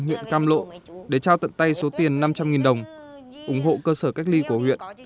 huyện cam lộ để trao tận tay số tiền năm trăm linh đồng ủng hộ cơ sở cách ly của huyện